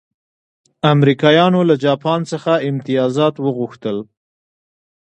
امریکایانو له جاپان څخه امتیازات وغوښتل.